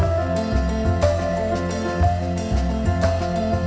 bagaimana cara menangani musim panjang